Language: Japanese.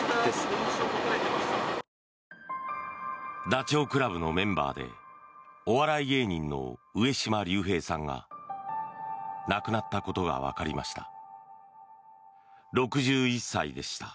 ダチョウ倶楽部のメンバーでお笑い芸人の上島竜兵さんが亡くなったことがわかりました。